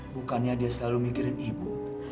bukannya dia selalu mikirin ibu